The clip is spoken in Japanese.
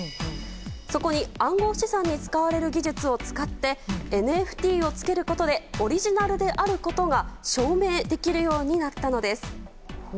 そこに暗号資産に使われる技術を使ってＮＦＴをつけることでオリジナルであることが証明できるようになったのです。